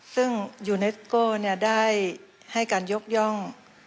ซึ่งยูเนสโก้ได้ให้การยกย่อง